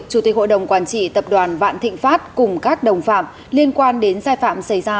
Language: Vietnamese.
chủ tịch hội đồng quản trị tập đoàn vạn thịnh pháp cùng các đồng phạm liên quan đến sai phạm xảy ra